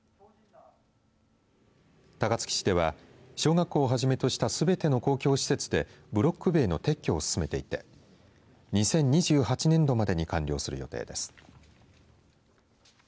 高槻市では小学校をはじめとしたすべての公共施設でブロック塀の撤去を進めていて２０２８年度までに完了する予定です。